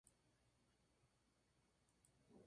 Woody termina en un estante y teme lo peor por su destino.